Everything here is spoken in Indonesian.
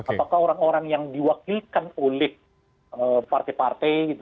apakah orang orang yang diwakilkan oleh partai partai